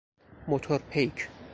موتورپیک